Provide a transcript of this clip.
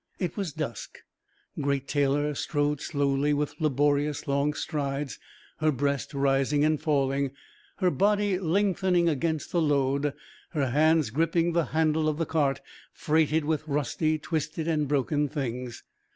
It was dusk. Great Taylor strode slowly with laborious long strides, her breast rising and falling, her body lengthening against the load, her hands gripping the handle of the cart, freighted with rusty, twisted, and broken things.